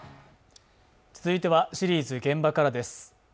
続いてはシリーズ「現場から」です。